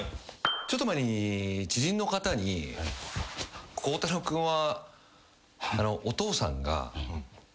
ちょっと前に知人の方に「孝太郎君は」